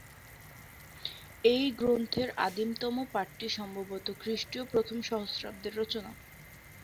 এই গ্রন্থের আদিতম পাঠটি সম্ভবত খ্রিস্টীয় প্রথম সহস্রাব্দের রচনা।